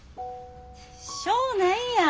しょうないやん